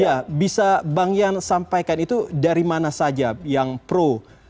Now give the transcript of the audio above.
ya bisa bang yan sampaikan itu dari mana saja yang pro